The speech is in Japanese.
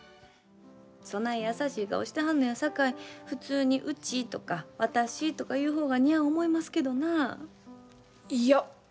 そない優しい顔してはるんやさかい普通にうちとか私言う方が似合う思いますけどな。